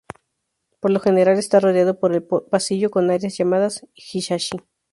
Por lo general, está rodeado por el pasillo con áreas llamadas hisashi.